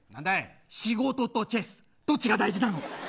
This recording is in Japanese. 仕事とチェスどっちが大事なの。